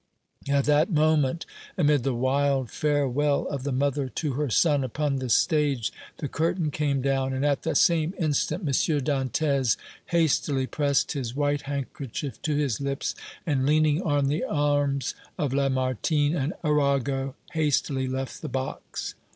At that moment, amid the wild farewell of the mother to her son, upon the stage, the curtain came down, and at the same instant, M. Dantès hastily pressed his white handkerchief to his lips, and, leaning on the arms of Lamartine and Arago, hastily left the box.